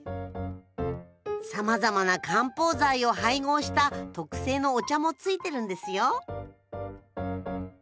さまざまな漢方材を配合した特製のお茶もついてるんですよ